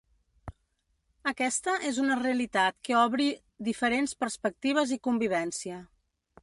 Aquesta és una realitat que obri diferents perspectives i convivència.